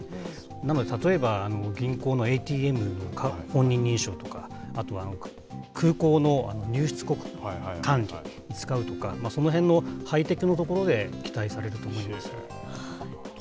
なので例えば、銀行のＡＴＭの本人認証とか、あとは、空港の入出国管理に使うとか、そのへんのハイテクのところで期待されるところです。